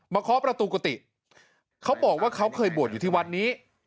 เคาะประตูกุฏิเขาบอกว่าเขาเคยบวชอยู่ที่วัดนี้